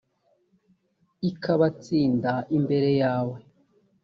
ikabatsinda imbere yawe